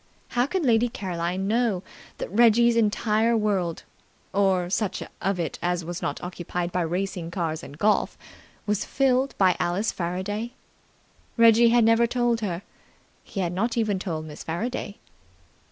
How could Lady Caroline know that Reggie's entire world or such of it as was not occupied by racing cars and golf was filled by Alice Faraday? Reggie had never told her. He had not even told Miss Faraday.